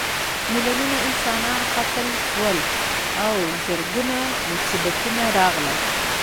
میلیونونه انسانان قتل شول او زرګونه مصیبتونه راغلل.